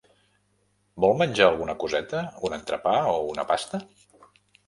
Vol menjar alguna coseta, un entrepà o una pasta?